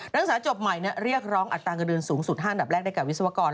ตั้งแต่จบใหม่เรียกร้องอัตรากันเดือนสูงสุด๕ดับแรกได้กับวิศวกร